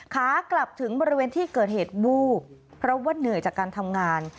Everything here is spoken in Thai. ขากลับถึงบริเวณที่เกิดเหตุวูบเพราะว่าเหนื่อยจากการทำงาน